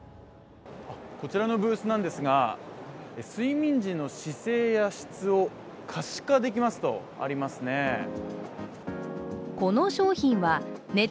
こちらのブースなんですが、睡眠時の姿勢や質を可視化できますと、ありますね。